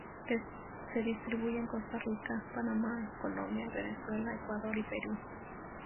Se distribuye en Costa Rica, Panamá, Colombia, Venezuela, Ecuador y Perú.